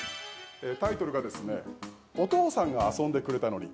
タイトルが「お父さんが遊んでくれたのに」。